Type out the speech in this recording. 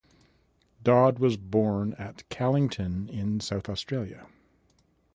Dodd was born at Callington in South Australia.